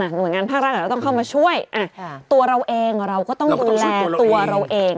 หน่วยงานภาครัฐอาจจะต้องเข้ามาช่วยตัวเราเองเราก็ต้องดูแลตัวเราเอง